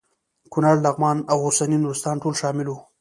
کونړ لغمان او اوسنی نورستان ټول شامل وو.